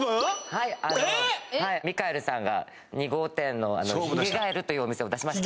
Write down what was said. はいミカエルさんが２号店のひげガエルというお店を出しました